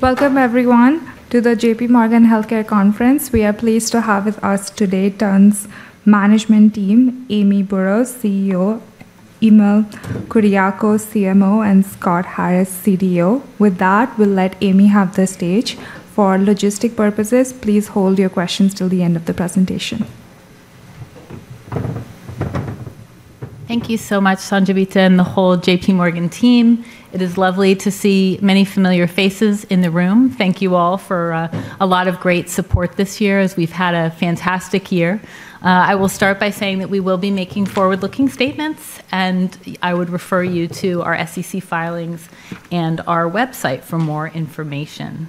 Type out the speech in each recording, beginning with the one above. Welcome, everyone, to the J.P. Morgan Healthcare Conference. We are pleased to have with us today Terns' management team, Amy Burroughs, CEO, Emil Kuriakose, CMO, and Scott Harris, CDO. With that, we'll let Amy have the stage. For logistical purposes, please hold your questions till the end of the presentation. Thank you so much, Sanjibita and the whole J.P. Morgan team. It is lovely to see many familiar faces in the room. Thank you all for a lot of great support this year, as we've had a fantastic year. I will start by saying that we will be making forward-looking statements, and I would refer you to our SEC filings and our website for more information.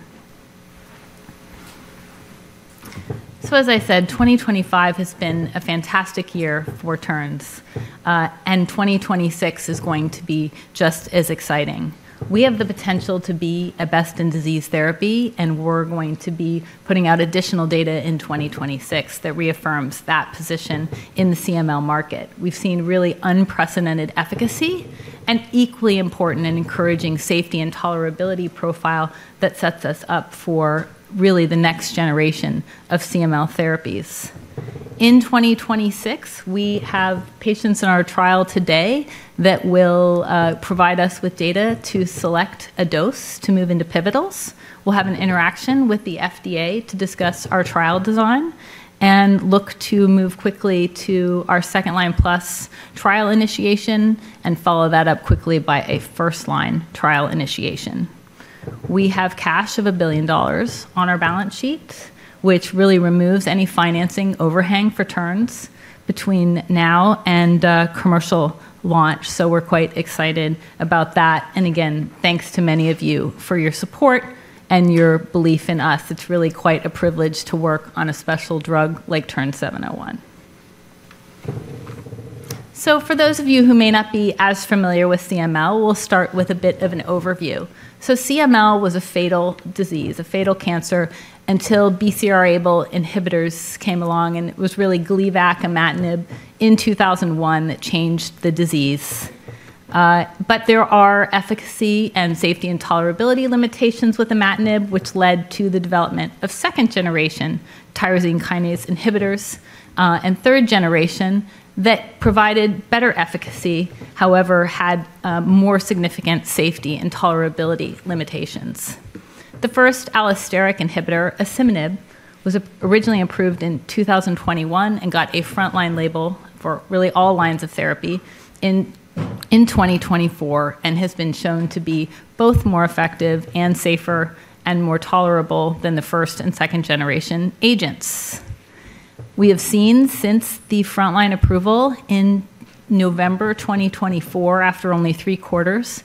So, as I said, 2025 has been a fantastic year for Terns, and 2026 is going to be just as exciting. We have the potential to be at best in disease therapy, and we're going to be putting out additional data in 2026 that reaffirms that position in the CML market. We've seen really unprecedented efficacy and equally important and encouraging safety and tolerability profile that sets us up for really the next generation of CML therapies. In 2026, we have patients in our trial today that will provide us with data to select a dose to move into pivotals. We'll have an interaction with the FDA to discuss our trial design and look to move quickly to our 2L+ trial initiation and follow that up quickly by a first-line trial initiation. We have cash of $1 billion on our balance sheet, which really removes any financing overhang for Terns between now and commercial launch, so we're quite excited about that, and again, thanks to many of you for your support and your belief in us. It's really quite a privilege to work on a special drug like TERN-701, so for those of you who may not be as familiar with CML, we'll start with a bit of an overview. So, CML was a fatal disease, a fatal cancer, until BCR-ABL inhibitors came along, and it was really Gleevec imatinib in 2001 that changed the disease. But there are efficacy and safety and tolerability limitations with the imatinib, which led to the development of second-generation tyrosine kinase inhibitors and third-generation that provided better efficacy, however, had more significant safety and tolerability limitations. The first allosteric inhibitor, asciminib, was originally approved in 2021 and got a front-line label for really all lines of therapy in 2024 and has been shown to be both more effective and safer and more tolerable than the first and second-generation agents. We have seen since the front-line approval in November 2024, after only three quarters,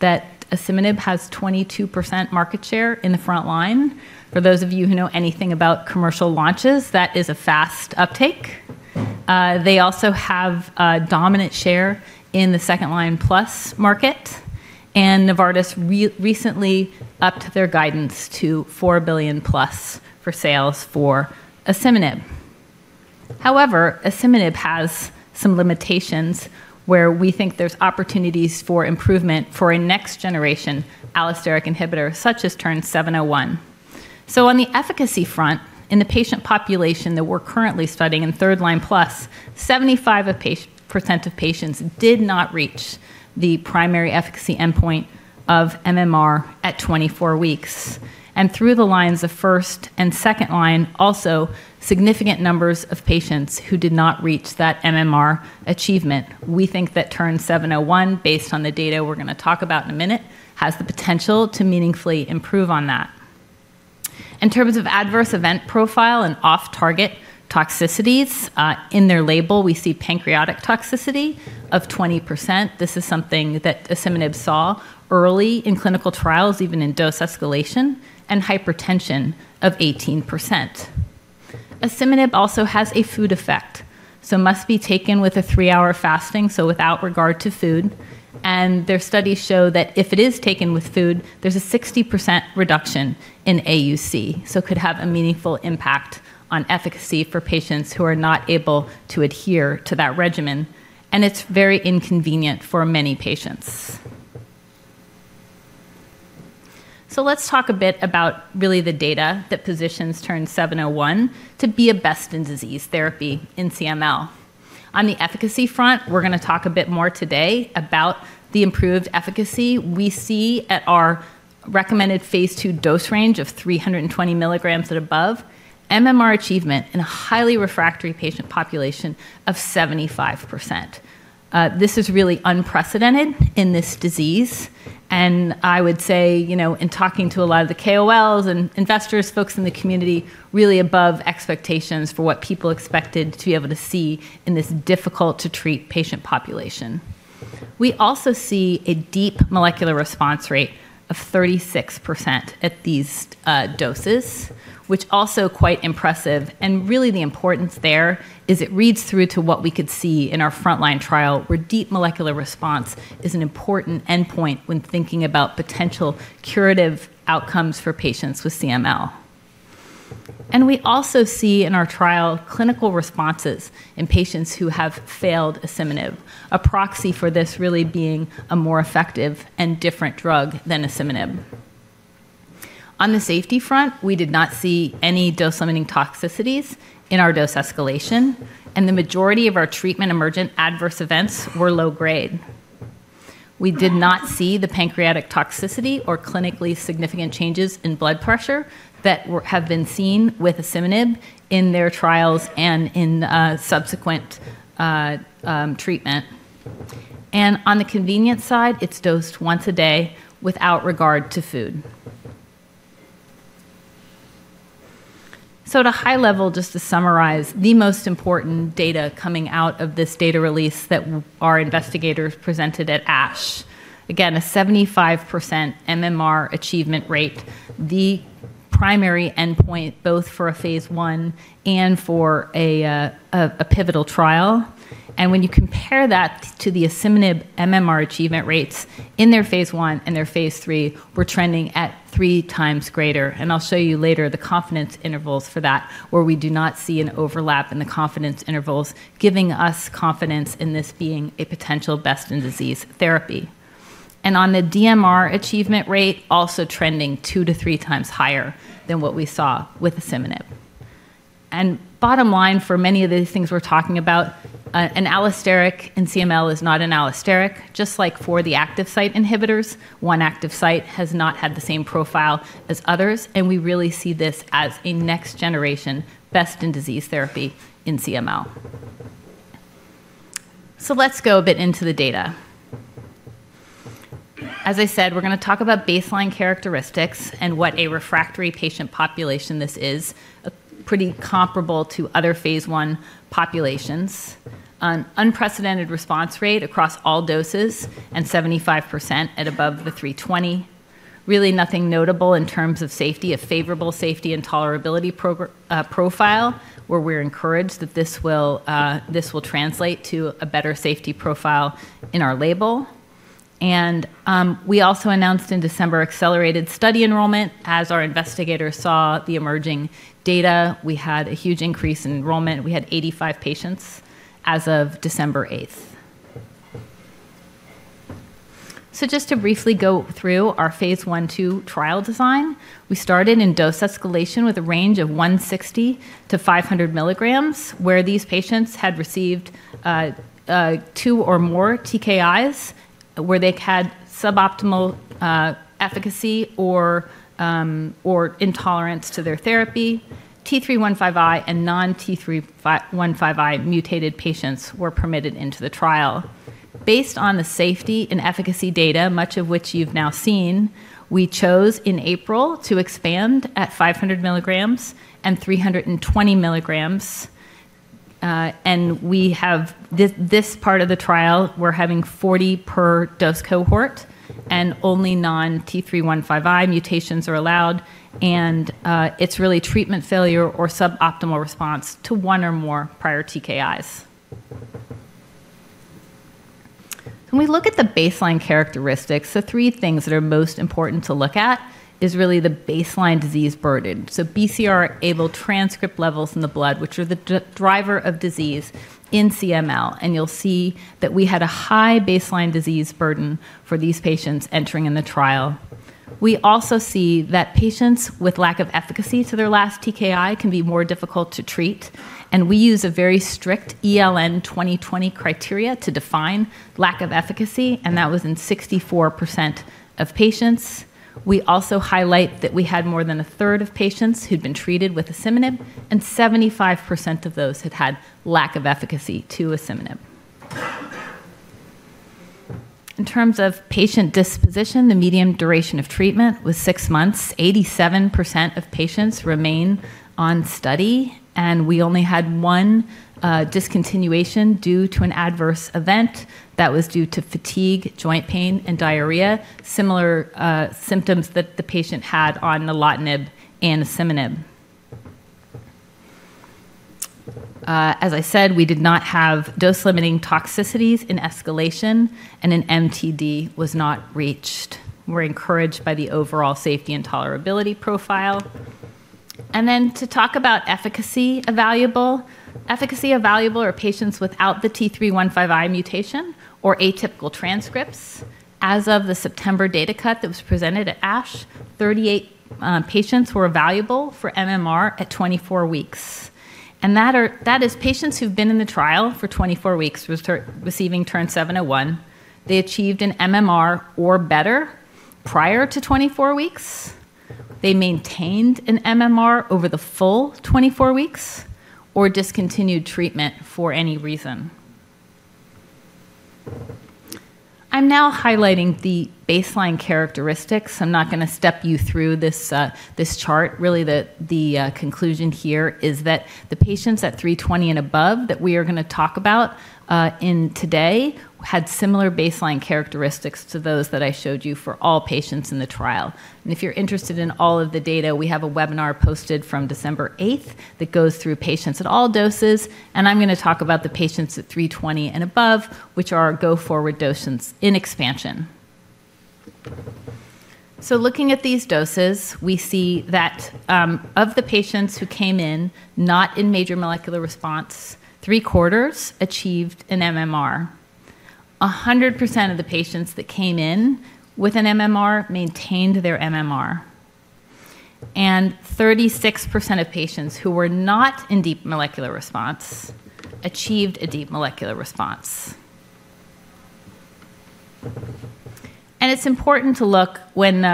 that asciminib has 22% market share in the front line. For those of you who know anything about commercial launches, that is a fast uptake. They also have a dominant share in the second-line plus market, and Novartis recently upped their guidance to $4+ billion for sales for asciminib. However, asciminib has some limitations where we think there's opportunities for improvement for a next-generation allosteric inhibitor such as TERN-701. So, on the efficacy front, in the patient population that we're currently studying in third-line plus, 75% of patients did not reach the primary efficacy endpoint of MMR at 24 weeks, and through the lines of first and second line, also significant numbers of patients who did not reach that MMR achievement. We think that TERN-701, based on the data we're going to talk about in a minute, has the potential to meaningfully improve on that. In terms of adverse event profile and off-target toxicities, in their label, we see pancreatic toxicity of 20%. This is something that asciminib saw early in clinical trials, even in dose escalation, and hypertension of 18%. Asciminib also has a food effect, so it must be taken with a three-hour fasting, so without regard to food. And their studies show that if it is taken with food, there's a 60% reduction in AUC, so it could have a meaningful impact on efficacy for patients who are not able to adhere to that regimen, and it's very inconvenient for many patients. So, let's talk a bit about really the data that positions TERN-701 to be a best-in-disease therapy in CML. On the efficacy front, we're going to talk a bit more today about the improved efficacy we see at our recommended phase II dose range of 320 milligrams and above, MMR achievement in a highly refractory patient population of 75%. This is really unprecedented in this disease, and I would say, you know, in talking to a lot of the KOLs and investors, folks in the community, really above expectations for what people expected to be able to see in this difficult-to-treat patient population. We also see a deep molecular response rate of 36% at these doses, which is also quite impressive, and really, the importance there is it reads through to what we could see in our front-line trial, where deep molecular response is an important endpoint when thinking about potential curative outcomes for patients with CML, and we also see in our trial clinical responses in patients who have failed asciminib, a proxy for this really being a more effective and different drug than asciminib. On the safety front, we did not see any dose-limiting toxicities in our dose escalation, and the majority of our treatment emergent adverse events were low-grade. We did not see the pancreatic toxicity or clinically significant changes in blood pressure that have been seen with asciminib in their trials and in subsequent treatment, and on the convenience side, it's dosed once a day without regard to food, so at a high level, just to summarize the most important data coming out of this data release that our investigators presented at ASH, again, a 75% MMR achievement rate, the primary endpoint both for a phase I and for a pivotal trial, and when you compare that to the asciminib MMR achievement rates in their phase I and their phase III, we're trending at three times greater. And I'll show you later the confidence intervals for that, where we do not see an overlap in the confidence intervals, giving us confidence in this being a potential best-in-disease therapy. And on the DMR achievement rate, also trending two to three times higher than what we saw with asciminib. And bottom line, for many of these things we're talking about, an allosteric in CML is not an allosteric, just like for the active site inhibitors. One active site has not had the same profile as others, and we really see this as a next-generation best-in-disease therapy in CML. So, let's go a bit into the data. As I said, we're going to talk about baseline characteristics and what a refractory patient population this is, pretty comparable to other phase I populations. An unprecedented response rate across all doses and 75% at above the 320. Really, nothing notable in terms of safety: a favorable safety and tolerability profile, where we're encouraged that this will translate to a better safety profile in our label. And we also announced in December accelerated study enrollment. As our investigators saw the emerging data, we had a huge increase in enrollment. We had 85 patients as of December 8th. So, just to briefly go through our phase I/II trial design, we started in dose escalation with a range of 160 milligrams-500 milligrams, where these patients had received two or more TKIs, where they had suboptimal efficacy or intolerance to their therapy. T315I and non-T315I mutated patients were permitted into the trial. Based on the safety and efficacy data, much of which you've now seen, we chose in April to expand at 500 milligrams and 320 milligrams. We have this part of the trial, we're having 40 per dose cohort, and only non-T315I mutations are allowed, and it's really treatment failure or suboptimal response to one or more prior TKIs. When we look at the baseline characteristics, the three things that are most important to look at is really the baseline disease burden. So, BCR-ABL transcript levels in the blood, which are the driver of disease in CML, and you'll see that we had a high baseline disease burden for these patients entering in the trial. We also see that patients with lack of efficacy to their last TKI can be more difficult to treat, and we use a very strict ELN 2020 criteria to define lack of efficacy, and that was in 64% of patients. We also highlight that we had more than 1/3 of patients who'd been treated with asciminib, and 75% of those had had lack of efficacy to asciminib. In terms of patient disposition, the median duration of treatment was six months. 87% of patients remain on study, and we only had one discontinuation due to an adverse event that was due to fatigue, joint pain, and diarrhea, similar symptoms that the patient had on nilotinib and asciminib. As I said, we did not have dose-limiting toxicities in escalation, and an MTD was not reached. We're encouraged by the overall safety and tolerability profile. And then to talk about efficacy evaluable, efficacy evaluable are patients without the T315I mutation or atypical transcripts. As of the September data cut that was presented at ASH, 38 patients were evaluable for MMR at 24 weeks. And that is patients who've been in the trial for 24 weeks receiving TERN-701. They achieved an MMR or better prior to 24 weeks. They maintained an MMR over the full 24 weeks or discontinued treatment for any reason. I'm now highlighting the baseline characteristics. I'm not going to step you through this chart. Really, the conclusion here is that the patients at 320 and above that we are going to talk about today had similar baseline characteristics to those that I showed you for all patients in the trial. And if you're interested in all of the data, we have a webinar posted from December 8th that goes through patients at all doses, and I'm going to talk about the patients at 320 and above, which are our go-forward doses in expansion. So, looking at these doses, we see that of the patients who came in not in major molecular response, three quarters achieved an MMR. 100% of the patients that came in with an MMR maintained their MMR. And 36% of patients who were not in deep molecular response achieved a deep molecular response. And it's important to look when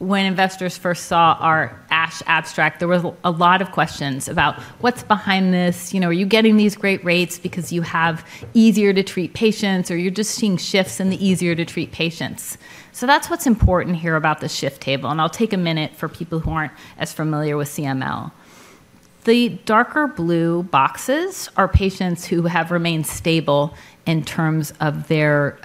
investors first saw our ASH abstract, there were a lot of questions about what's behind this. You know, are you getting these great rates because you have easier-to-treat patients, or are you just seeing shifts in the easier-to-treat patients? So, that's what's important here about the shift table, and I'll take a minute for people who aren't as familiar with CML. The darker blue boxes are patients who have remained stable in terms of their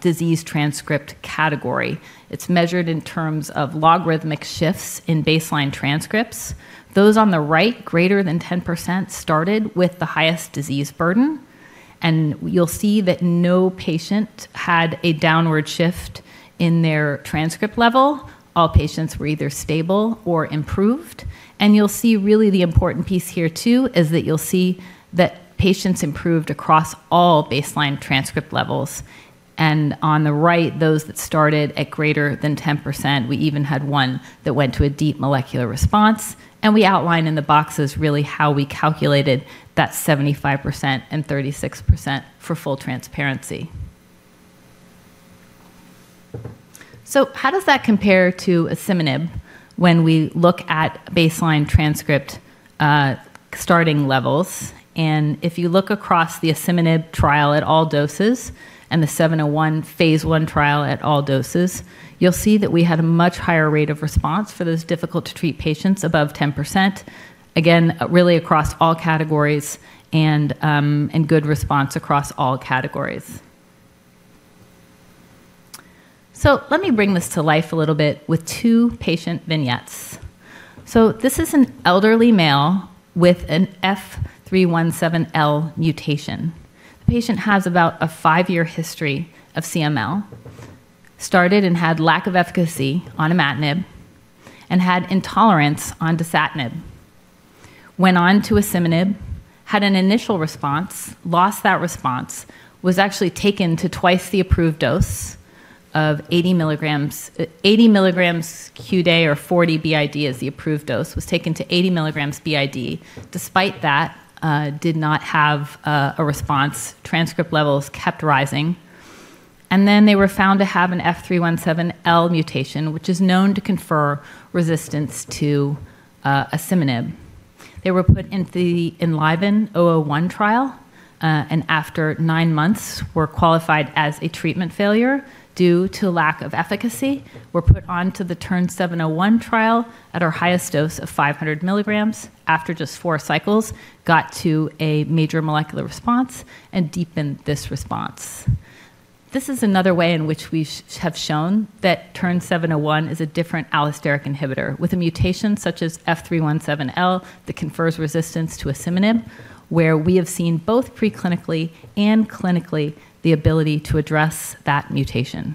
disease transcript category. It's measured in terms of logarithmic shifts in baseline transcripts. Those on the right, greater than 10%, started with the highest disease burden, and you'll see that no patient had a downward shift in their transcript level. All patients were either stable or improved. And you'll see really the important piece here too is that you'll see that patients improved across all baseline transcript levels. And on the right, those that started at greater than 10%, we even had one that went to a deep molecular response. And we outline in the boxes really how we calculated that 75% and 36% for full transparency. So, how does that compare to asciminib when we look at baseline transcript starting levels? And if you look across the asciminib trial at all doses and the 701 phase I trial at all doses, you'll see that we had a much higher rate of response for those difficult-to-treat patients above 10%. Again, really across all categories and good response across all categories. So, let me bring this to life a little bit with two patient vignettes. So, this is an elderly male with an F317L mutation. The patient has about a five-year history of CML, started and had lack of efficacy on imatinib, and had intolerance on dasatinib. Went on to asciminib, had an initial response, lost that response, was actually taken to twice the approved dose of 80 milligrams QD or 40 b.i.d. as the approved dose, was taken to 80 milligrams b.i.d. Despite that, did not have a response. Transcript levels kept rising. And then they were found to have an F317L mutation, which is known to confer resistance to asciminib. They were put into the ELVN-001 trial, and after nine months, were qualified as a treatment failure due to lack of efficacy. were put onto the TERN-701 trial at our highest dose of 500 milligrams after just four cycles, got to a major molecular response, and deepened this response. This is another way in which we have shown that TERN-701 is a different allosteric inhibitor with a mutation such as F317L that confers resistance to asciminib, where we have seen both preclinically and clinically the ability to address that mutation,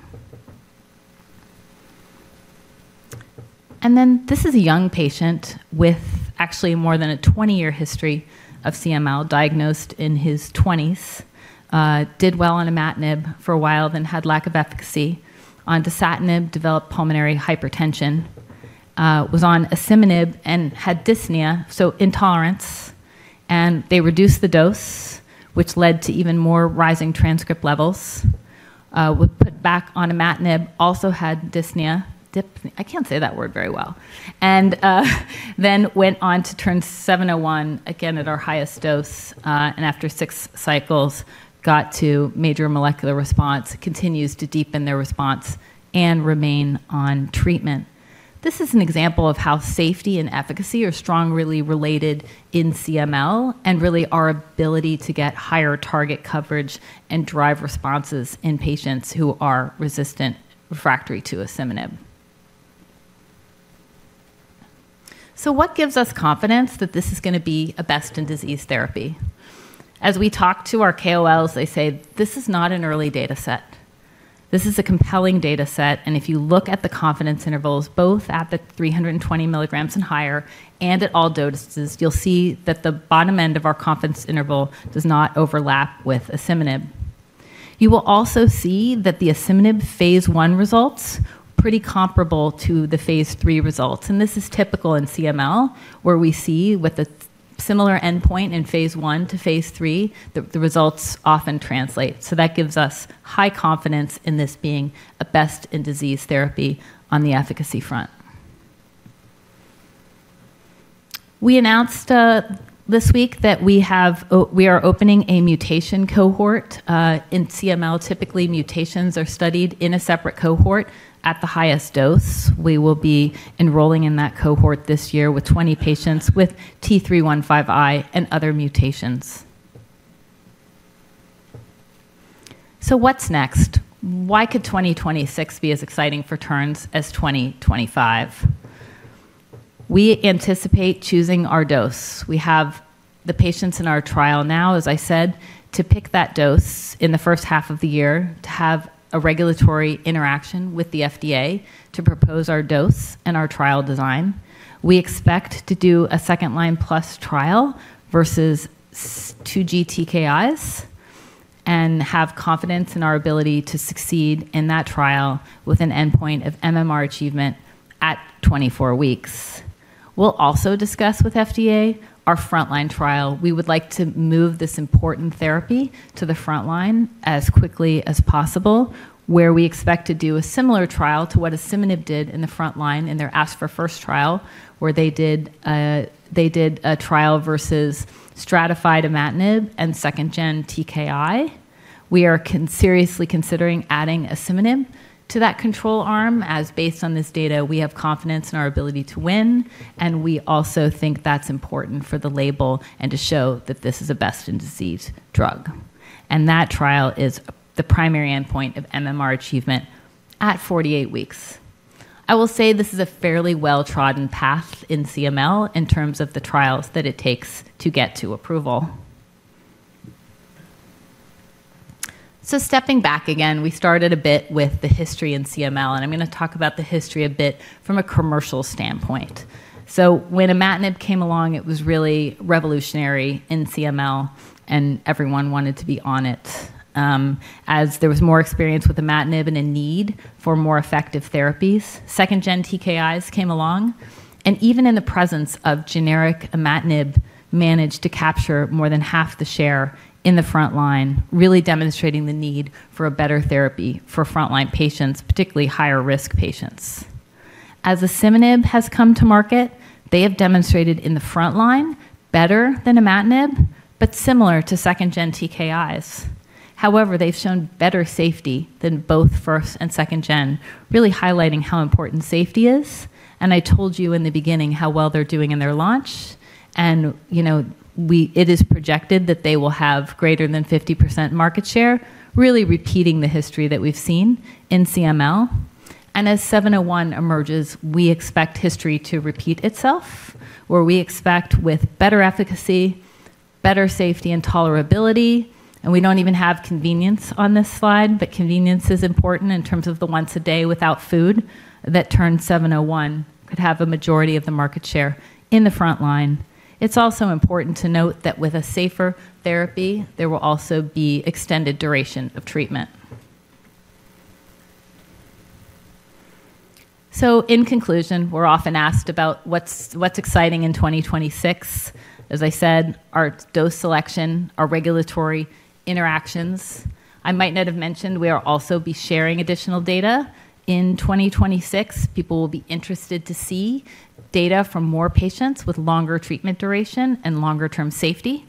and then this is a young patient with actually more than a 20-year history of CML, diagnosed in his 20s. Did well on imatinib for a while, then had lack of efficacy. On dasatinib, developed pulmonary hypertension. Was on asciminib and had dyspnea, so intolerance, and they reduced the dose, which led to even more rising transcript levels. Was put back on imatinib, also had dyspnea. I can't say that word very well. And then went on to TERN-701 again at our highest dose, and after six cycles, got to major molecular response, continues to deepen their response, and remain on treatment. This is an example of how safety and efficacy are strongly related in CML and really our ability to get higher target coverage and drive responses in patients who are resistant refractory to asciminib. So, what gives us confidence that this is going to be a best-in-disease therapy? As we talk to our KOLs, they say, "This is not an early data set. This is a compelling data set, and if you look at the confidence intervals, both at the 320 milligrams and higher and at all doses, you'll see that the bottom end of our confidence interval does not overlap with asciminib. You will also see that the asciminib phase I results are pretty comparable to the phase III results, and this is typical in CML, where we see with a similar endpoint in phase I-phase III, the results often translate. So, that gives us high confidence in this being a best-in-disease therapy on the efficacy front. We announced this week that we are opening a mutation cohort in CML. Typically, mutations are studied in a separate cohort at the highest dose. We will be enrolling in that cohort this year with 20 patients with T315I and other mutations. So, what's next? Why could 2026 be as exciting for Terns as 2025? We anticipate choosing our dose. We have the patients in our trial now, as I said, to pick that dose in the first half of the year, to have a regulatory interaction with the FDA to propose our dose and our trial design. We expect to do a 2L+ trial versus 2G TKIs and have confidence in our ability to succeed in that trial with an endpoint of MMR achievement at 24 weeks. We'll also discuss with FDA our frontline trial. We would like to move this important therapy to the frontline as quickly as possible, where we expect to do a similar trial to what asciminib did in the frontline in their ASC4FIRST trial, where they did a trial versus stratified imatinib and second-gen TKI. We are seriously considering adding asciminib to that control arm. Based on this data, we have confidence in our ability to win, and we also think that's important for the label and to show that this is a best-in-disease drug. That trial is the primary endpoint of MMR achievement at 48 weeks. I will say this is a fairly well-trodden path in CML in terms of the trials that it takes to get to approval. Stepping back again, we started a bit with the history in CML, and I'm going to talk about the history a bit from a commercial standpoint. When imatinib came along, it was really revolutionary in CML, and everyone wanted to be on it as there was more experience with imatinib and a need for more effective therapies. Second-gen TKIs came along, and even in the presence of generic imatinib, managed to capture more than half the share in the frontline, really demonstrating the need for a better therapy for frontline patients, particularly higher-risk patients. As asciminib has come to market, they have demonstrated in the frontline better than imatinib, but similar to second-gen TKIs. However, they've shown better safety than both first and second-gen, really highlighting how important safety is, and I told you in the beginning how well they're doing in their launch, and you know it is projected that they will have greater than 50% market share, really repeating the history that we've seen in CML, and as 701 emerges, we expect history to repeat itself, where we expect with better efficacy, better safety, and tolerability. We don't even have convenience on this slide, but convenience is important in terms of the once-a-day without food that TERN-701 could have a majority of the market share in the frontline. It's also important to note that with a safer therapy, there will also be extended duration of treatment. In conclusion, we're often asked about what's exciting in 2026. As I said, our dose selection, our regulatory interactions. I might not have mentioned we will also be sharing additional data in 2026. People will be interested to see data from more patients with longer treatment duration and longer-term safety,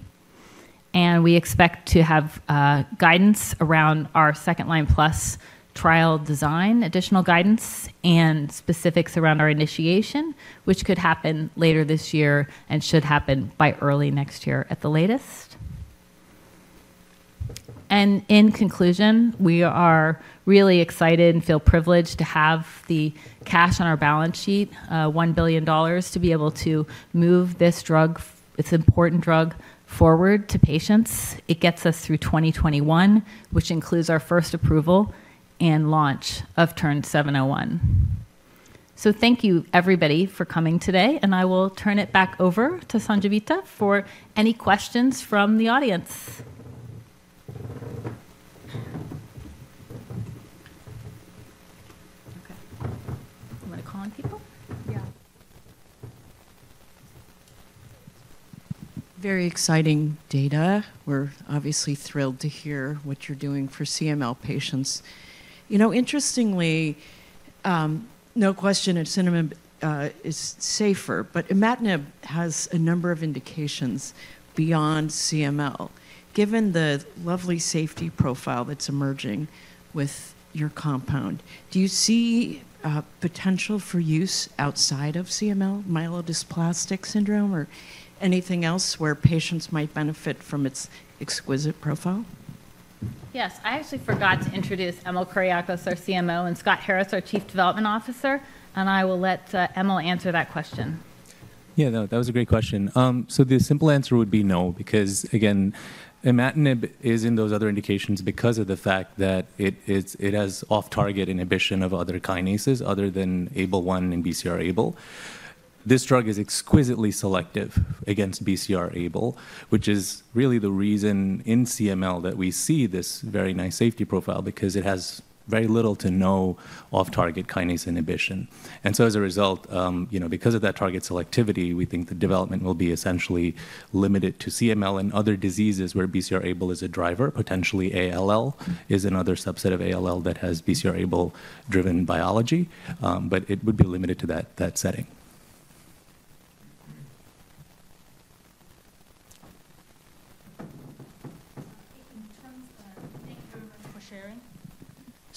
and we expect to have guidance around our 2L+ trial design, additional guidance, and specifics around our initiation, which could happen later this year and should happen by early next year at the latest. In conclusion, we are really excited and feel privileged to have the cash on our balance sheet, $1 billion, to be able to move this drug, this important drug, forward to patients. It gets us through 2021, which includes our first approval and launch of TERN-701. Thank you, everybody, for coming today, and I will turn it back over to Sanjivita for any questions from the audience. Okay. I'm going to call on people? Yeah. Very exciting data. We're obviously thrilled to hear what you're doing for CML patients. You know, interestingly, no question that asciminib is safer, but imatinib has a number of indications beyond CML. Given the lovely safety profile that's emerging with your compound, do you see potential for use outside of CML, myelodysplastic syndrome, or anything else where patients might benefit from its exquisite profile? Yes. I actually forgot to introduce Emil Kuriakose, our CMO, and Scott Harris, our Chief Development Officer, and I will let Emil answer that question. Yeah, no, that was a great question. So, the simple answer would be no, because again, imatinib is in those other indications because of the fact that it has off-target inhibition of other kinases other than ABL1 and BCR-ABL. This drug is exquisitely selective against BCR-ABL, which is really the reason in CML that we see this very nice safety profile, because it has very little to no off-target kinase inhibition. And so, as a result, you know, because of that target selectivity, we think the development will be essentially limited to CML and other diseases where BCR-ABL is a driver. Potentially, ALL is another subset of ALL that has BCR-ABL-driven biology, but it would be limited to that setting.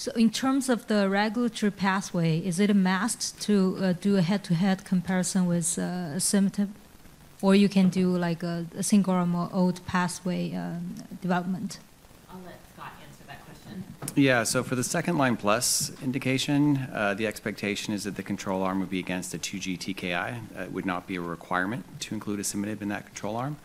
Thank you very much for sharing. In terms of the regulatory pathway, is it a must to do a head-to-head comparison with asciminib, or you can do like a single or more old pathway development? I'll let Scott answer that question. Yeah. For the 2L+ indication, the expectation is that the control arm would be against a 2G TKI. It would not be a requirement to include asciminib in that control arm.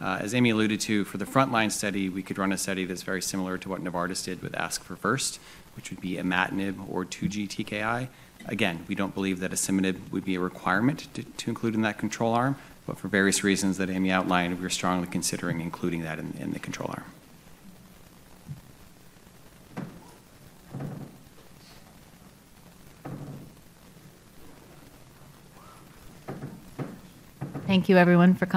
As Amy alluded to, for the frontline study, we could run a study that's very similar to what Novartis did with ASC4FIRST, which would be imatinib or 2G TKI. Again, we don't believe that asciminib would be a requirement to include in that control arm, but for various reasons that Amy outlined, we're strongly considering including that in the control arm. Thank you, everyone.